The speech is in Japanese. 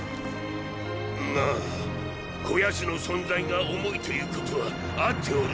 まァこ奴の存在が“重い”ということは合っておるがのォ。